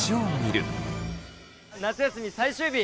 夏休み最終日！